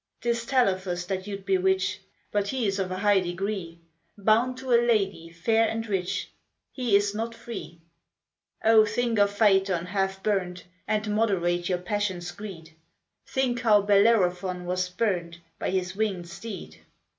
'Tis Telephus that you'd bewitch: But he is of a high degree; Bound to a lady fair and rich, He is not free. O think of Phaethon half burn'd, And moderate your passion's greed: Think how Bellerophon was spurn'd By his wing'd steed.